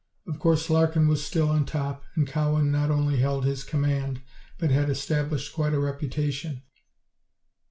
Of course Larkin was still on top, and Cowan not only held his command, but had established quite a reputation.